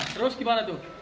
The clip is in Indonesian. terus gimana tuh